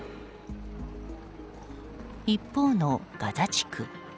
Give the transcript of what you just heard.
一方のガザ地区。